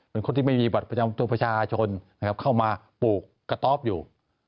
เป็นคนที่ไม่มีบัตรประชาชนเข้ามาปลูกกระตอบอยู่